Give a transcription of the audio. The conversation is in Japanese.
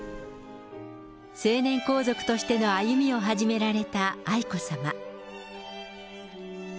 成年皇族としての歩みを始められた愛子さま。